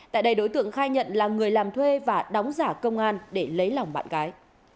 tại đây đối tượng khai nhận là người làm thuê và đóng giả công an để lấy lòng bạn gái